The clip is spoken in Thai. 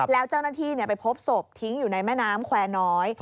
แล้วเจ้าหน้าที่ไปพบศพทิ้งอยู่ในแม่น้ำแควร์น้อย